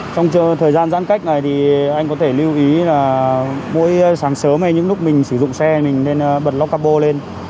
trong thời gian giãn cách này thì anh có thể lưu ý là mỗi sáng sớm hay những lúc mình sử dụng xe mình nên bật lóc cabo lên